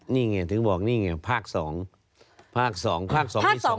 นี่ไงถึงบอกนี่ไงภาค๒ภาค๒ภาค๒มี๒